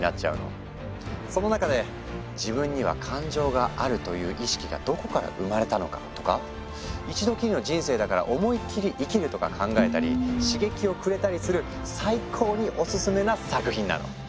その中で「自分には感情があるという意識がどこから生まれたのか？」とか「一度きりの人生だから思いっきり生きる」とか最高にお薦めな作品なの！